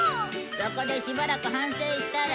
そこでしばらく反省したら？